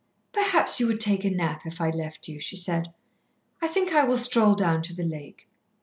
"Perhaps you would take a nap if I left you," she said. "I think I will stroll down to the lake."